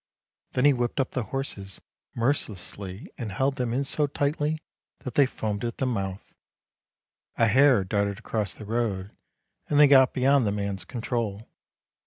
Then he whipped up the horses mercilessly and held them in so tightly that they foamed at the mouth, a hare darted across the road, and they got beyond the man's control.